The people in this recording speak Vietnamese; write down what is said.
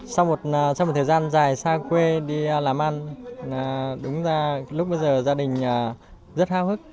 sau một thời gian dài xa quê đi làm ăn đúng ra lúc bây giờ gia đình rất hào hức